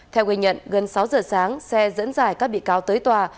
theo ghi nhận gần sáu giờ sáng xe dẫn dài các bị cáo tới tòa